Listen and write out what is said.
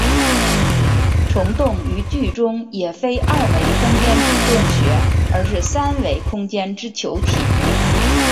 虫洞于剧中也非二维空间之洞穴而是三维空间之球体。